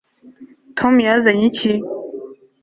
tom yazanye iki